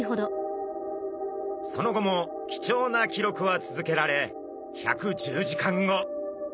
その後も貴重な記録は続けられ１１０時間後。